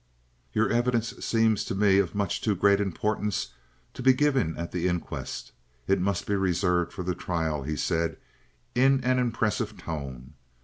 "Your evidence seems to me of much too great importance to be given at the inquest. It must be reserved for the trial," he said in an impressive tone.